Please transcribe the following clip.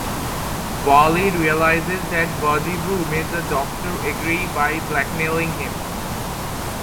Valli realises that Vadivu made the doctor agree by blackmailing him.